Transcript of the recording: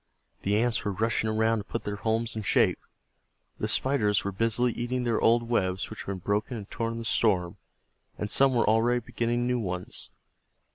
The Ants were rushing around to put their homes in shape, the Spiders were busily eating their old webs, which had been broken and torn in the storm, and some were already beginning new ones.